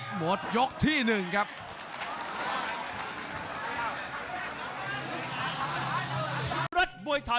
หมดยกที่หนึ่งครับ